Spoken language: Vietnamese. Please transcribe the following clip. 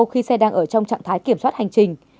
khi xe đang ở trong trạng thái kiểm soát hành trình